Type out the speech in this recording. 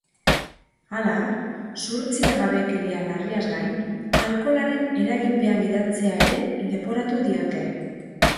Hala, zuhurtziagabekeria larriaz gain, alkoholaren eraginpean gidatzea ere leporatu diote.